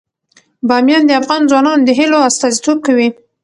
بامیان د افغان ځوانانو د هیلو استازیتوب کوي.